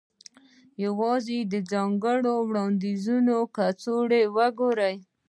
یوازې د ځانګړو وړاندیزونو کڅوړې وګوره